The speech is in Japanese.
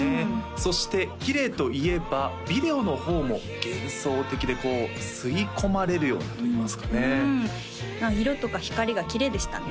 そしてきれいといえばビデオの方も幻想的で吸い込まれるようなといいますかね色とか光がきれいでしたね